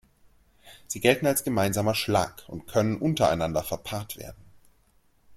Sie gelten als ein gemeinsamer Schlag und können untereinander verpaart werden.